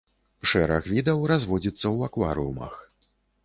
Шэраг відаў разводзіцца ў акварыумах.